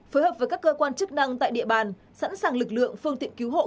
phối hợp với các cơ quan chức năng tại địa bàn sẵn sàng lực lượng phương tiện cứu hộ